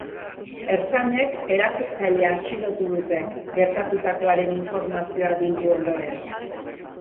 Ertzainek erasotzailea atxilotu dute, gertatutakoaren informazioa bildu ondoren.